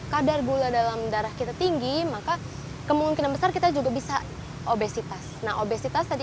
kadar gula dalam darah kita tinggi maka kemungkinan besar kita juga bisa obesitas nah obesitas tadi